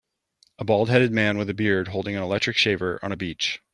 A bald headed man with a beard holding an electric shaver on a beach.